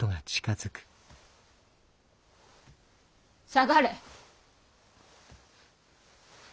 下がれ。